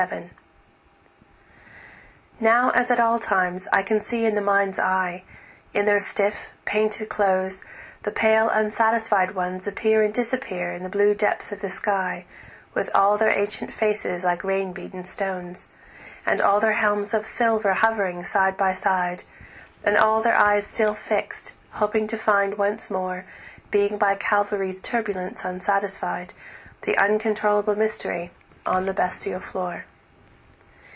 The Magi I NOW as at all times I can see in the mind's eye, In their stiff, painted clothes, the pale unsatisfied onesAppear and disappear in the blue depth of the skyWith all their ancient faces like rain beaten stones, And all their helms of silver hovering side by side, And all their eyes still fixed, hoping to find once more, Being by Calvary's turbulence unsatisfied, The uncontrollable mystery on the bestial floor.